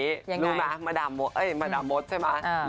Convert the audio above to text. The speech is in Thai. รู้มะมาดามมดใช่ป่ะ